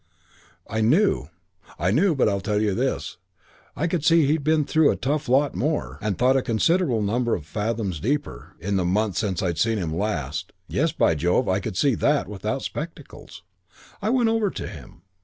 "I knew. I knew; but I tell you this, I could see he'd been through a tough lot more, and thought a considerable number of fathoms deeper, in the month since I'd seen him last. Yes, by Jove, I could see that without spectacles. "I went over to him.